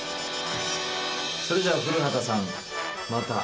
それじゃあ古畑さんまた。